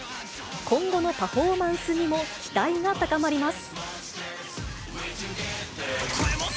今後のパフォーマンスにも期待が高まります。